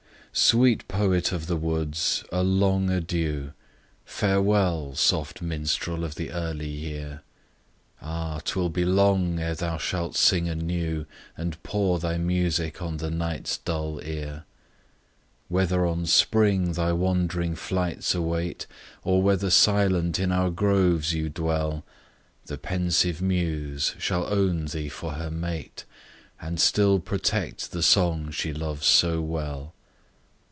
SWEET poet of the woods a long adieu! Farewell, soft minstrel of the early year! Ah! 'twill be long ere thou shalt sing anew, And pour thy music on 'the night's dull ear.' Whether on Spring thy wandering flights await, Or whether silent in our groves you dwell, The pensive muse shall own thee for her mate, And still protect the song she loves so well.